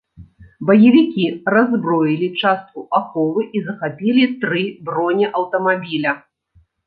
Баевікі раззброілі частку аховы і захапілі тры бронеаўтамабіля.